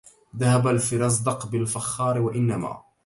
ذهب الفرزدق بالفخار وإنما